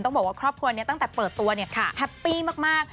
ต้องบอกว่าครอบครัวนี้ตั้งแต่เปิดตัวแฮปปี้มาก